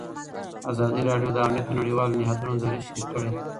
ازادي راډیو د امنیت د نړیوالو نهادونو دریځ شریک کړی.